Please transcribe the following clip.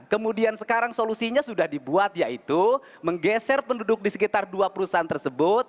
kemudian sekarang solusinya sudah dibuat yaitu menggeser penduduk di sekitar dua perusahaan tersebut